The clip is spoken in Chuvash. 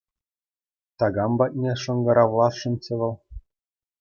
Такам патне шӑнкӑравласшӑнччӗ вӑл.